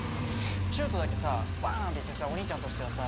斗だけさバーン！っていってさお兄ちゃんとしてはさ